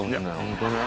ホントね。